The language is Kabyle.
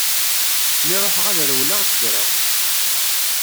Mi ruḥeɣ ad rewleɣ zedreɣ.